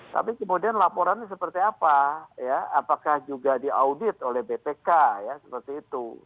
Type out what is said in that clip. tapi kemudian laporannya seperti apa ya apakah juga diaudit oleh bpk ya seperti itu